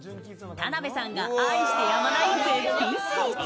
田辺さんが愛してやまない絶品スイーツ。